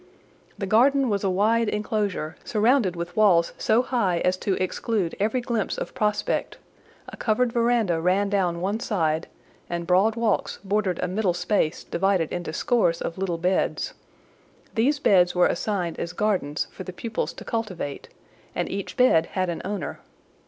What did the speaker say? The garden was a wide inclosure, surrounded with walls so high as to exclude every glimpse of prospect; a covered verandah ran down one side, and broad walks bordered a middle space divided into scores of little beds: these beds were assigned as gardens for the pupils to cultivate, and each bed had an owner.